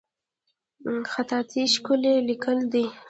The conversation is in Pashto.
خطاطي ښکلی لیکل دي